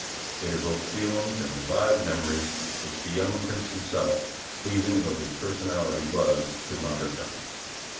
It evoked feelings and revived memories which the young prince himself, pleasing though his personality was, could not have done.